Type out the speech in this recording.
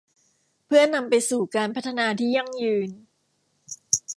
เพื่อนำไปสู่การพัฒนาที่ยั่งยืน